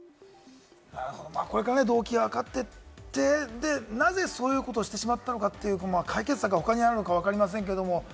これから動機がわかっていて、なぜそういうことをしてしまったのかという解決策が他にあるのか分かりませんけれども。